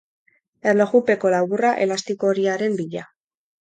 Erlojupeko laburra elastiko horiaren bila.